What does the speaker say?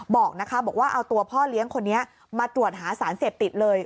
บอกนะคะบอกว่าเอาตัวพ่อเลี้ยงคนนี้มาตรวจหาสารเสพติดเลย